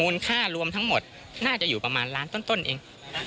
ค่ารวมทั้งหมดน่าจะอยู่ประมาณล้านต้นเอง